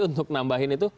untuk nambahin itu